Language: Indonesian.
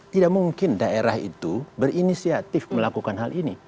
tidak mungkin daerah itu berinisiatif melakukan hal ini